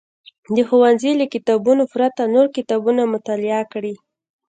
د ښوونځي له کتابونو پرته نور کتابونه مطالعه کړي.